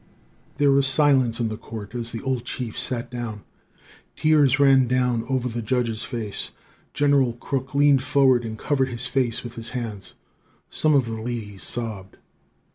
"There was silence in the court as the old chief sat down. Tears ran down over the judge's face. General Crook leaned forward and covered his face with his hands. Some of the ladies sobbed.